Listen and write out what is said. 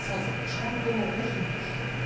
ちゃんと残すんですよね。